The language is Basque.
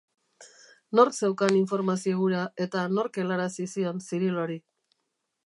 Nork zeukan informazio hura eta nork helarazi zion Cirilori?